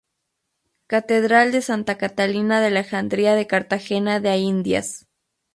Catedral de Santa Catalina de Alejandría de Cartagena de Indias